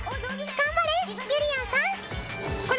頑張れ！